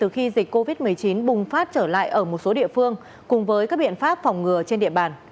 khi dịch covid một mươi chín bùng phát trở lại ở một số địa phương cùng với các biện pháp phòng ngừa trên địa bàn